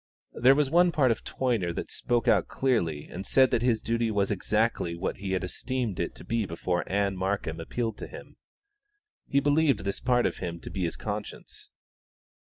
There was one part of Toyner that spoke out clearly and said that his duty was exactly what he had esteemed it to be before Ann Markham appealed to him. He believed this part of him to be his conscience.